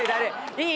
いい！